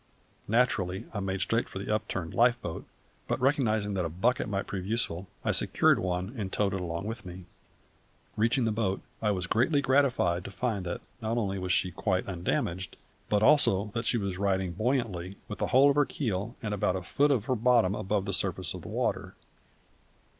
Naturally, I made straight for the upturned life boat; but recognising that a bucket might prove very useful I secured one and towed it along with me. Reaching the boat I was greatly gratified to find that not only was she quite undamaged but also that she was riding buoyantly, with the whole of her keel and about a foot of her bottom above the surface of the water.